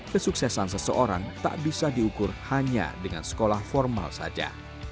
kesuksesan seseorang tak bisa diukur hanya dengan sekolah formal saja